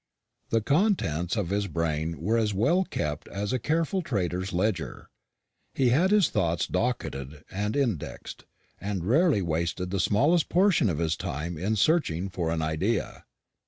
The contents of his brain were as well kept as a careful trader's ledger. He had his thoughts docketed and indexed, and rarely wasted the smallest portion of his time in searching for an idea.